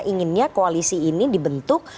inginnya koalisi ini dibentuk